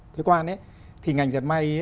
thế quan ấy thì ngành dệt may